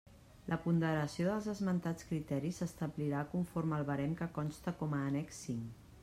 La ponderació dels esmentats criteris s'establirà conforme al barem que consta com a annex cinc.